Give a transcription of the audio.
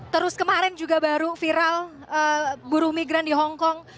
terus kemarin juga baru viral buru migran di hongkong